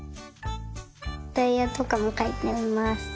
タイヤとかもかいてみます。